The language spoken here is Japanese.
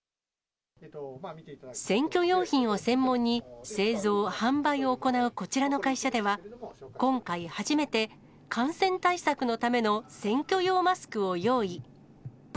選挙用品を専門に、製造・販売を行うこちらの会社では、今回初めて、感染対策のための選挙用マスクを用意。